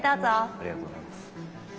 ありがとうございます。